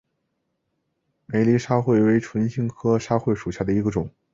美丽沙穗为唇形科沙穗属下的一个种。